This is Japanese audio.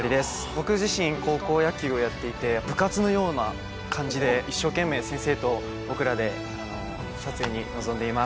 僕自身高校野球をやっていて部活のような感じで一生懸命先生と僕らで撮影に臨んでいます